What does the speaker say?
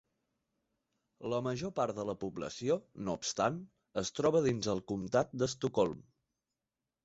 La major part de la població, no obstant, es troba dins el comtat de Stockholm.